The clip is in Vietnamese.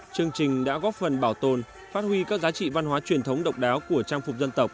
chương trình đã góp phần bảo tồn phát huy các giá trị văn hóa truyền thống độc đáo của trang phục dân tộc